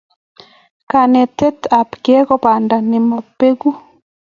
kanetet apkei ko panda nemabeku